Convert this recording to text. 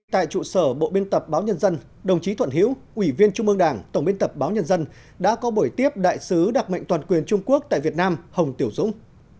tại trụ sở bộ biên tập báo nhân dân đồng chí thuận hiễu ủy viên trung ương đảng tổng biên tập báo nhân dân đã có buổi tiếp đại sứ đặc mệnh toàn quyền trung quốc tại việt nam hồng tiểu dũng